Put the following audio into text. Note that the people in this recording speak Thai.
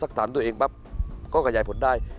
สักถามด้วยตัวเองปั๊บก็ขยายผลได้